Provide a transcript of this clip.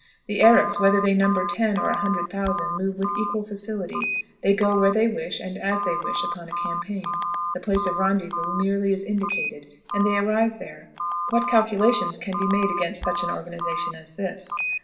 The Arabs, whether they number ten or a hundred thousand, move with equal facility. They go where they wish and as they wish upon a campaign; the place of rendezvous merely is indicated, and they arrive there. "What calculations can be made against such an organization as this?